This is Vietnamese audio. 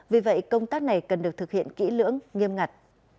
vì vậy công tác này cần được thực hiện kỹ lưỡng nghiêm ngặt